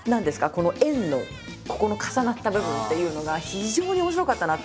この円のここの重なった部分っていうのが非常に面白かったなって。